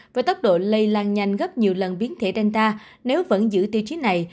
với tốc độ lây lan nhanh gấp nhiều lần biến thể danta nếu vẫn giữ tiêu chí này